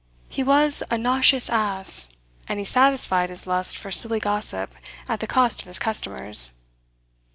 He was a noxious ass, and he satisfied his lust for silly gossip at the cost of his customers.